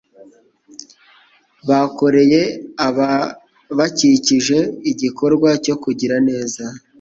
bakoreye ababakikije igikorwa cyo kugira neza.